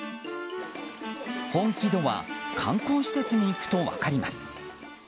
本気度は観光施設に行くと分かります。